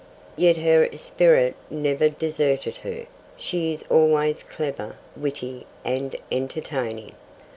Yet her esprit never deserted her. She is always clever, witty, and entertaining.